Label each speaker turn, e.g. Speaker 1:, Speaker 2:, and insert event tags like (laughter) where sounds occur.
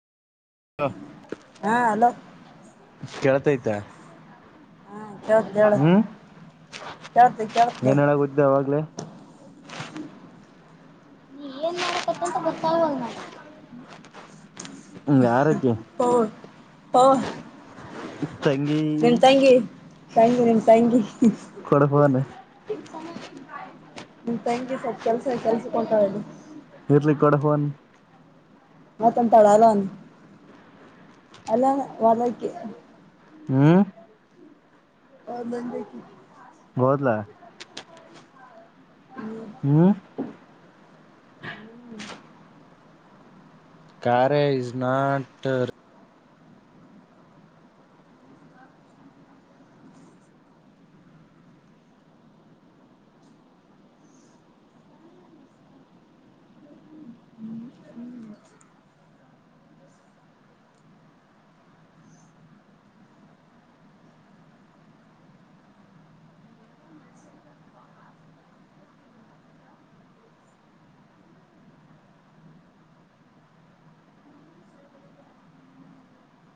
Speaker 1: ಹಾ
Speaker 2: ಹಾ ಹಲೋ
Speaker 1: ಕೇಳ್ತೈತ
Speaker 2: ಹ್ಮ ಕೇಳ್ತದ್ ಹೇಳ
Speaker 1: ಹ್ಮ್
Speaker 2: ಕೇಳ್ತ ಕೇಳ್ತದ
Speaker 1: ಏನ್ ಹೇಳಾಗುದ್ದೆ ಅವಾಗ್ಲೇ
Speaker 2: ನೀ ಏನ್ ಮಾಡಕತ್ತ ಅಂತ ಗೊತ್ತಾಗುವಲ್ದು ನಂಗ
Speaker 1: ಹ (unintelligible) ಯಾರಕ್ಕೆ
Speaker 2: ಹ (unintelligible) (unintelligible)
Speaker 1: ಹ (inaudible) ತಂಗಿ
Speaker 2: ನಿಮ್ ತಂಗಿ ತಂಗಿ ನಿಮ್ ತಂಗಿ
Speaker 1: ಫಡಫನ್
Speaker 2: ನಿಮ್ ತಂಗಿ ಸ್ವಲ್ಪ ಕೆಲ್ಸ ಕೆಲ್ಸ ಕೆಲ್ಸಕ್ಕೆಹೋಣ್ಟದು
Speaker 1: ಇರ್ಲಿ ಕಡಫನ್
Speaker 2: ಮತ್ತಂತಾಳ ಅಲ್ಲ ಒಂದು ಅಲ್ಲ ಹೊರಕ್ಕೆ
Speaker 1: ಹ್ಮ್
Speaker 2: ಹ ಬಂದತಿ
Speaker 1: ಹೋದ್ಲ
Speaker 2: ಹ್ಮ್
Speaker 1: ಹ್ಮ್
Speaker 2: ಹ್ಮ್
Speaker 1: ಕಾರೆ ಇಸ್ ನಾಟ್